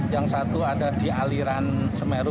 yang satu ada di aliran semeru